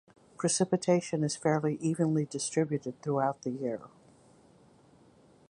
Precipitation is fairly evenly distributed throughout the year.